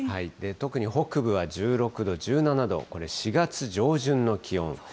特に北部は１６度、１７度、これ、４月上旬の気温。